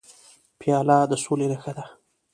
پیاله د سولې نښه ده.